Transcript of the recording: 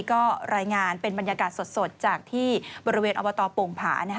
ก็รายงานเป็นบรรยากาศสดจากที่บริเวณอบตโป่งผา